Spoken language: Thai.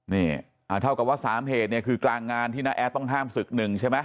นี่เท่ากับว่า๓เหตุเนี่ยคือกลางงานที่น้าแอดต้องห้ามศึกหนึ่งใช่ไหม